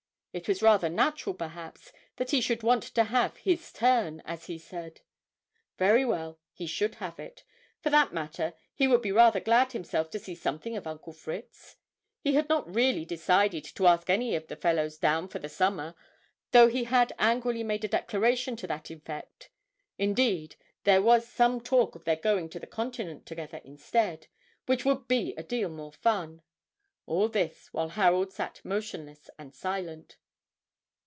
It was rather natural, perhaps, that he should want to have "his turn," as he said; very well, he should have it. For that matter, he would be rather glad himself to see something of Uncle Fritz. He had not really decided to ask any of the fellows down for the summer, though he had angrily made a declaration to that effect. Indeed, there was some talk of their going over the Continent together instead, which would be a deal more fun. All this while Harold sat motionless and silent.